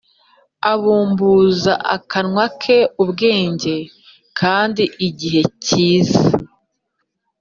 Abumbuza akanwa ke ubwenge, kandi igihe kizaza